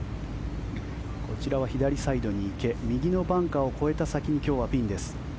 こちらは左サイドに池右のバンカーを越えた先に今日はピンです。